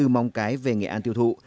mong cái về nghệ an tiêu thụ